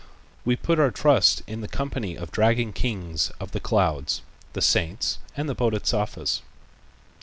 We put our trust in the company of dragon kings of the clouds, the saints and the Bodhisattvas."